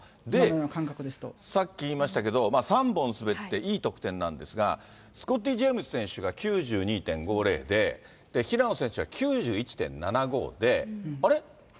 さっき言いましたけど、３本滑っていい得点なんですが、スコッティ・ジェームズ選手が９２．５０で、平野選手が９１．７５で、あれ？